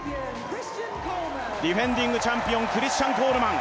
ディフェンディングチャンピオン、クリスチャン・コールマン。